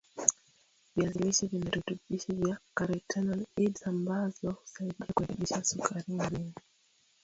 viazi lishe vinavirutubishi vya karotenoids ambazo husaidia kurekebisha sukari mwilini